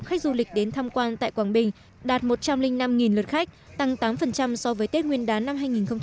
khách du lịch đến tham quan tại quảng bình đạt một trăm linh năm lượt khách tăng tám so với tết nguyên đán năm hai nghìn một mươi chín